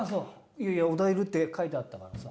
いやいや小田いるって書いてあったからさ。